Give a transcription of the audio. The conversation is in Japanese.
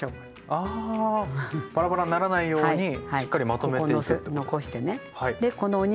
あバラバラにならないようにしっかりまとめていくってことです。